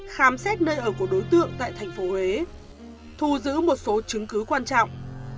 khám xét nơi ở của đối tượng tại thành phố huế thu giữ một số chứng cứ quan trọng